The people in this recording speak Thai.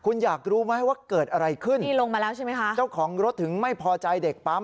คุณอยากรู้ไหมว่าเกิดอะไรขึ้นนี่ลงมาแล้วใช่ไหมคะเจ้าของรถถึงไม่พอใจเด็กปั๊ม